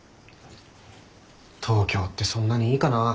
東京ってそんなにいいかなぁ。